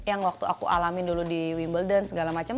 yang waktu aku alamin dulu di wimbledon segala macam